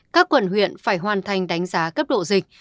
các quận huyện phải hoàn thành đánh giá cấp độ dịch